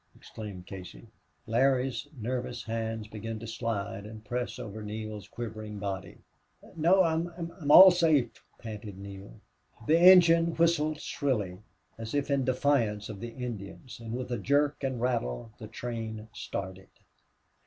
exclaimed Casey. Larry's nervous hands began to slide and press over Neale's quivering body. "No I'm all safe!" panted Neale. The engine whistled shrilly, as if in defiance of the Indians, and with a jerk and rattle the train started.